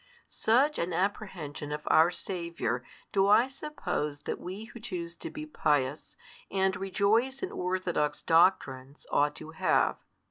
Such an apprehension of our Saviour do I suppose that we who choose to be pious, and rejoice in orthodox doctrines, ought to have.